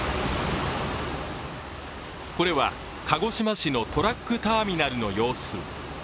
これは、鹿児島市のトラックターミナルの様子。